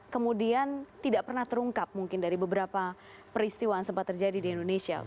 kemudian tidak pernah terungkap mungkin dari beberapa peristiwa yang sempat terjadi di indonesia